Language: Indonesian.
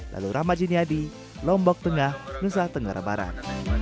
lalu ramadhin yadi lombok tengah nusa tenggara barat